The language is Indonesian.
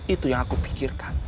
itu yang aku pikirkan